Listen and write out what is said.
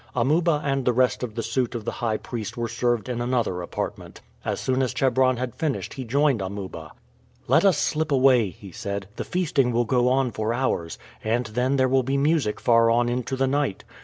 Amuba and the rest of the suit of the high priest were served in another apartment. As soon as Chebron had finished he joined Amuba. "Let us slip away," he said. "The feasting will go on for hours, and then there will be music far on into the night.